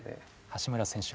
橋村選手